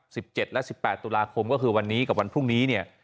สิบเจ็ดและสิบแปดตุลาคมก็คือวันนี้กับวันพรุ่งนี้เนี่ย